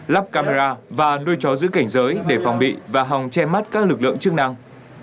lắp camera và nuôi chó giữ cảnh giới để phòng bị và hòng che mắt các lực lượng chức năng